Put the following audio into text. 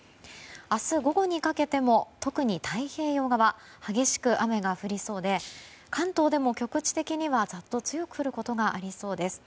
明日午後にかけても特に太平洋側で激しく雨が降りそうで関東でも局地的にはざっと強く降ることがありそうです。